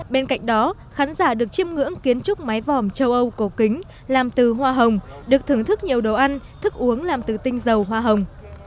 bên cạnh đó khán giả được chiêm ngưỡng kiến trúc mái vòm châu âu cổ kính làm từ hoa hồng được thưởng thức nhiều đồ ăn thức uống làm từ tinh dầu hoa hồng